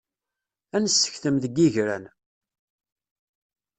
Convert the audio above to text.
Ad nessektem deg yigran.